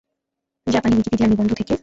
জাপানি উইকিপিডিয়ার নিবন্ধ থেকে